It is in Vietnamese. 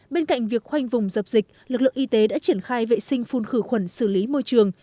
bên cạnh việc khoanh vùng dập dịch lực lượng y tế đã triển khai vệ sinh phun khử khuẩn xử lý môi trường